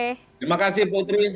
terima kasih putri